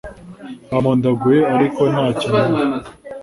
bampondaguye, ariko nta cyo numva